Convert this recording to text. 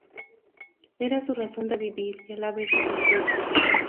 Era su razón de vivir y a la vez su tortura.